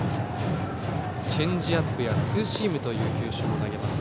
チェンジアップやツーシームという球種を投げます。